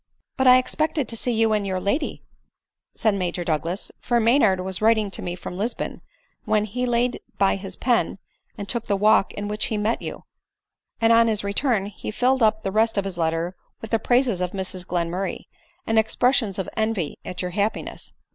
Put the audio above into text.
" But I expected to see you and your lady," said Major Douglas ;" for Maynard was writing to me from Lisbon when he laid by his pen and took the walk in which he met you ; and on his return he filled up the rest of his letter with the praises of Mrs Glenmurray, and ex pressions of envy at your happiness."